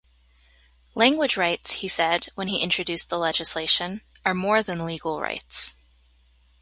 "Language rights," he said when he introduced the legislation, "are more than legal rights.